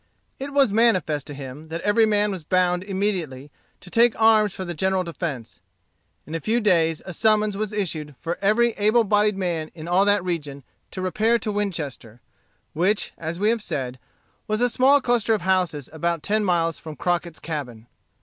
It was manifest to him that every man was bound immediately to take arms for the general defence. In a few days a summons was issued for every able bodied man in all that region to repair to Winchester, which, as we have said, was a small cluster of houses about ten miles from Crockett's cabin.